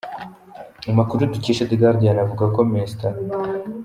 Amakuru dukesha The Guarian avuga ko Mr.